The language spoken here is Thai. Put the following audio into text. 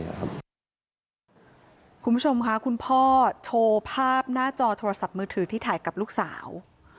คุณผู้ชมค่ะคุณพ่อโชว์ภาพหน้าจอโทรศัพท์มือถือที่ถ่ายกับลูกสาว